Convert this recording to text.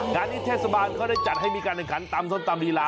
งานนี้เทศบาลเขาได้จัดให้มีการแข่งขันตำส้มตำลีลา